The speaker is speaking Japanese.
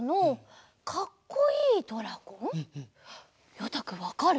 ようたくんわかる？